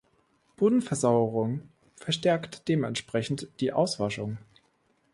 Bodenversauerung verstärkt dementsprechend die Auswaschung.